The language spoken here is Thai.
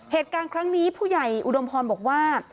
เหตุการณ์ครั้งนี้ผู้ใหญ่อุดมพรบอกว่า